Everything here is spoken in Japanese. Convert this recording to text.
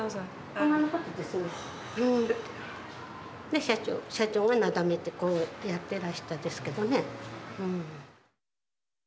で社長がなだめてこうやってらしたですけどね。